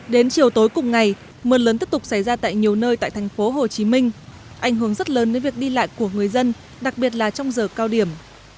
đến chiều tối cùng ngày mưa lớn tiếp tục xảy ra tại nhiều nơi tại thành phố hồ chí minh ảnh hưởng rất lớn đến việc đi lại của người dân đặc biệt là trong giờ cao điểm